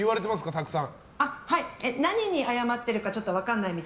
たくさん。